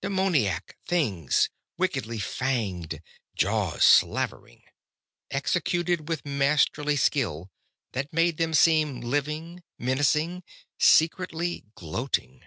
Demoniac things, wickedly fanged, jaws slavering. Executed with masterly skill, that made them seem living, menacing, secretly gloating!